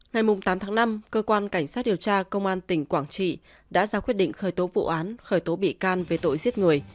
ngày tám tháng năm cơ quan cảnh sát điều tra công an tỉnh quảng trị đã ra quyết định khởi tố vụ án khởi tố bị can về tội giết người